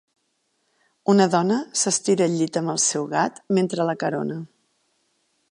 Una dona s'estira al llit amb el seu gat mentre l'acarona